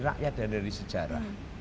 rakyat dan dari sejarah